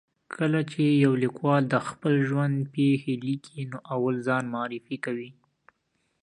کله چې یو لیکوال د خپل ژوند پېښې لیکي، نو اول ځان معرفي کوي.